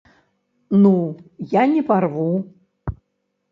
Ну, я не парву!